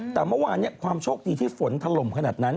แต่เมื่อวานความโชคดีที่ฝนถล่มขนาดนั้น